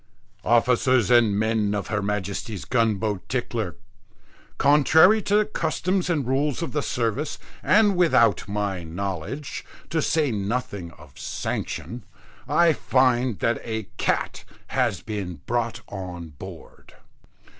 "Officers and men of Her Majesty's gunboat Tickler, contrary to the customs and rules of the service, and without my knowledge, to say nothing of sanction, I find that a cat has been brought on board.